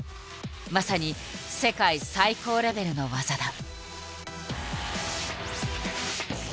まさに世界最高レベルの技だ。